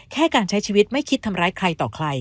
แค่การใช้ชีวิตไม่คิดทำร้ายใครต่อใคร